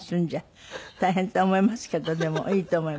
大変って思いますけどでもいいと思います。